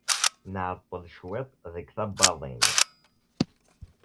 Nɛeṭṭel cwiṭ deg tawwaḍin.